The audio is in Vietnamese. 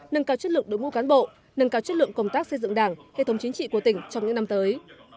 nâng cao chất lượng đội ngũ cán bộ nâng cao chất lượng công tác xây dựng đảng hệ thống chính trị của tỉnh trong những năm tới